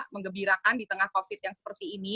mengembirakan di tengah covid yang seperti ini